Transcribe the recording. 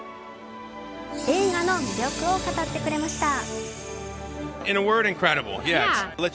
映画の魅力を語ってくれました。